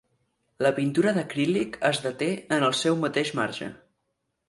La pintura d'acrílic es deté en el seu mateix marge.